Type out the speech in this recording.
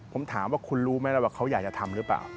ผมถามว่าคุณรู้ไหมแล้วว่าเขาอยากจะทำหรือเปล่า